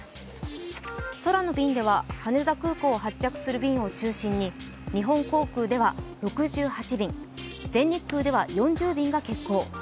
空の便では羽田空港が発着する便を中心に日本航空では６８便、全日空では４０便が欠航。